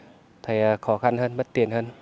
tôi thấy là thầy khó khăn hơn mất tiền hơn